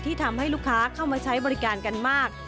ทำให้ลูกค้าเข้ามาใช้บริการกันมาก